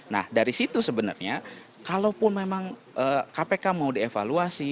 nah dari situ sebenarnya kalaupun memang kpk mau dievaluasi